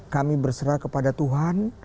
kami berserah kepada tuhan